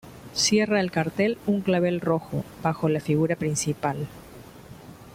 Cierra el cartel un clavel rojo bajo la figura principal.